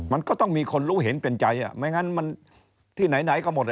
มันก็ต้องมีคนรู้เห็นเป็นใจไม่งั้นมันที่ไหนก็หมด